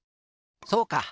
そうか！